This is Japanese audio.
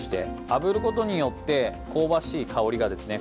あぶることによって香ばしい香りがですね。